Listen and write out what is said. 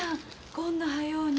こんなはように。